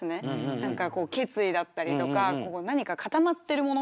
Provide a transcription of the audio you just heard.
何か決意だったりとか何か固まってるもの。